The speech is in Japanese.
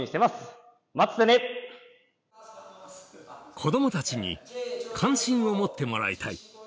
子どもたちに関心を持ってもらいたい。